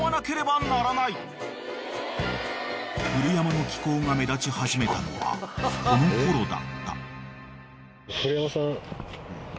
［古山の奇行が目立ち始めたのはこのころだった］